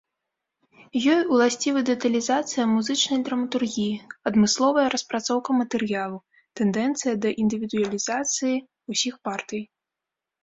Ёй уласцівы дэталізацыя музычнай драматургіі, адмысловая распрацоўка матэрыялу, тэндэнцыя да індывідуалізацыі ўсіх партый.